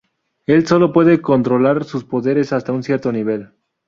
Él sólo puede controlar sus poderes hasta un cierto nivel.